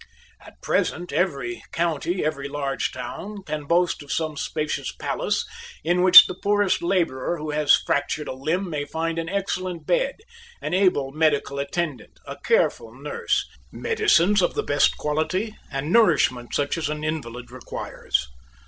At present every county, every large town, can boast of some spacious palace in which the poorest labourer who has fractured a limb may find an excellent bed, an able medical attendant, a careful nurse, medicines of the best quality, and nourishment such as an invalid requires.